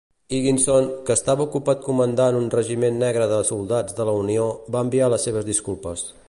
Higginson, que estava ocupat comandant un regiment negre de soldats de la Unió, va enviar les seves disculpes.